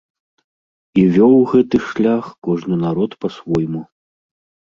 І вёў гэты шлях кожны народ па-свойму.